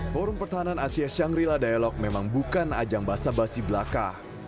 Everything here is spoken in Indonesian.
forum pertahanan asia shangri la dialog memang bukan ajang basa basi belaka